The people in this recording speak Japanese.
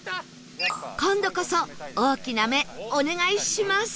今度こそ大きな目お願いします